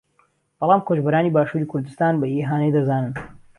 بەڵام کۆچبەرانی باشووری کوردستان بە ئیهانەی دەزانن